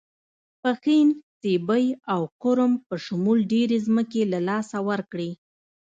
پښین، سیبۍ او کورم په شمول ډېرې ځمکې له لاسه ورکړې.